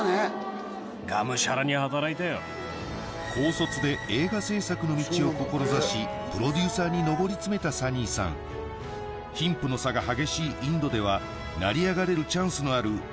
それでは気になるこのプロデューサーに上り詰めたサニーさん貧富の差が激しいインドでは成り上がれるチャンスのある実力